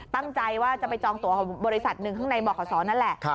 ตั้งใจว่าจะไปจองตัวของบริษัทหนึ่งข้างในบขศนั่นแหละ